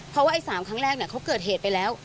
เพราะว่าไอ้๓ครั้งแรกเขาเกิดเหตุไปแล้ว